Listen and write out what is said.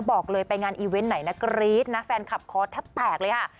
บอกเลยไปงานอีเวนต์ไหนนะกรี๊ดนะแฟนคลับคอแทบแตกเลยค่ะ